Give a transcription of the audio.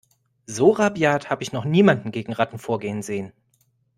So rabiat habe ich noch niemanden gegen Ratten vorgehen sehen.